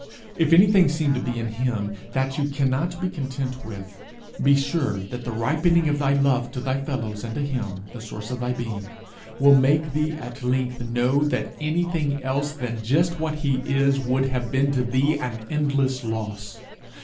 If anything seem to be in him that you cannot be content with, be sure that the ripening of thy love to thy fellows and to him, the source of thy being, will make thee at length know that anything else than just what he is would have been to thee an endless loss.